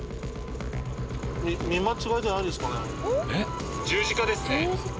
見間違いじゃないですかね。